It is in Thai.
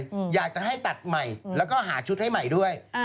เพราะว่าให้ตัดใหม่และหาชุดใหม่ด้วย